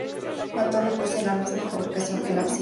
La torre posee la misma fabricación que el ábside.